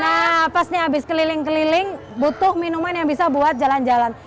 nah pas nih habis keliling keliling butuh minuman yang bisa buat jalan jalan